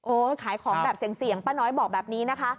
ขายของแบบเสี่ยงป้าน้อยบอกแบบนี้นะคะ